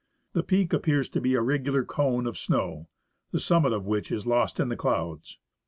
^ The peak appears to be a regular cone of snow, the summit of which is lost in the clouds.